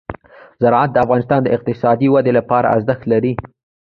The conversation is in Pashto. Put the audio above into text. زراعت د افغانستان د اقتصادي ودې لپاره ارزښت لري.